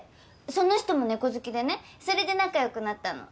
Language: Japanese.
その人も猫好きでねそれで仲良くなったの。